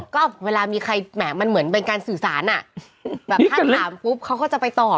ก็เวลามีใครแหมมันเหมือนเป็นการสื่อสารอ่ะแบบถ้าถามปุ๊บเขาก็จะไปตอบ